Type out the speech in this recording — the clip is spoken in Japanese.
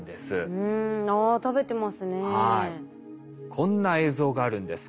こんな映像があるんです。